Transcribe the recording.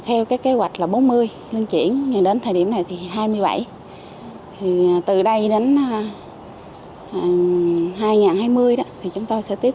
theo cái kế hoạch là bốn mươi linh chuyển đến thời điểm này thì hai mươi bảy từ đây đến hai nghìn hai mươi thì chúng tôi sẽ tiếp